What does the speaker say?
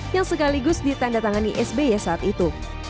yang sekaligus ditandatangani sby saat itu